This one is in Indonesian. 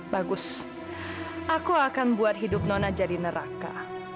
bagus aku akan buat hidup nona jadi neraka